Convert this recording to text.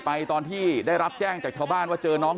อยากจะได้เจอลูกอยากจะกอดอยากจะหอมลูกอยากจะเห็นจริง